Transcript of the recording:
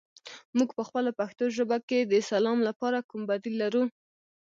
موږ پخپله پښتو ژبه کې د سلام لپاره کوم بدیل لرو؟